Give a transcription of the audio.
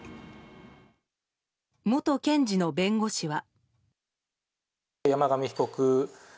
元検事の弁護士は。